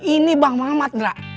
ini bang mamat indra